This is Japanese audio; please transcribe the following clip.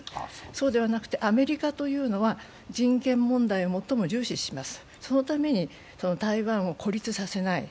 そうではなくてアメリカというのは人権問題を最も重視します、そのために台湾を孤立させない。